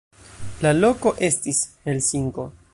La loko estis Helsinko.